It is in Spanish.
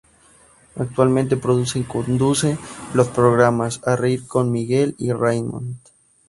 Actualmente produce y conduce los programas "A reír con Miguel y Raymond".